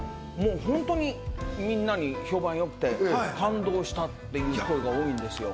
みんなに評判良くて、感動したっていうのが多いんで。